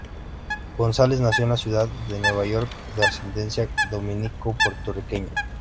Gonzalez nació en la ciudad de Nueva York de ascendencia dominico-puertorriqueña.